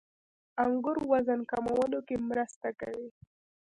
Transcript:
• انګور وزن کمولو کې مرسته کوي.